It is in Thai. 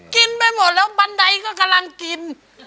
กินไปหมดแล้วบันไดก็กำลังกิน